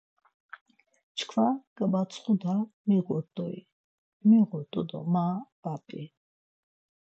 Çkva gamatsxuna miğut̆ui, miğut̆u do ma va p̆ii?